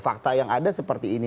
fakta yang ada seperti ini